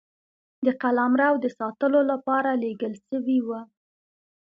د قلمرو د ساتلو لپاره لېږل سوي وه.